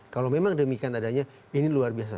kalau memang demikian adanya ini luar biasa